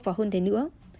và hơn thế nữa